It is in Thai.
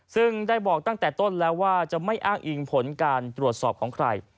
ซึ่งได้บอกตั้งแต่ต้นแล้วว่าจะไม่อ้างอิงผลการตรวจสอบของใคร